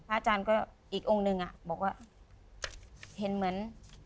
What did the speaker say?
อาจารย์ก็อีกองค์หนึ่งอ่ะบอกว่าเห็นเหมือน